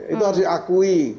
itu harus diakui